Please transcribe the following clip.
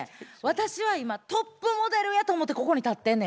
私は今トップモデルやと思うてここに立ってんねんから。